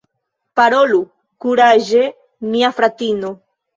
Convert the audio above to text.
Parolu kuraĝe, mia fratino!